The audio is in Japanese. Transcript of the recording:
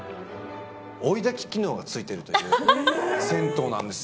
追いだき機能が付いているという銭湯なんですよ。